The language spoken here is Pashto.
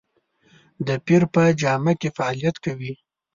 د پیر په جامه کې فعالیت کوي.